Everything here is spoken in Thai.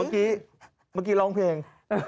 เมื่อกี้ร้องเพลง